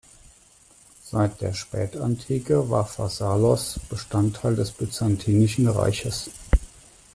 Seit der Spätantike war Pharsalos Bestandteil des Byzantinischen Reiches.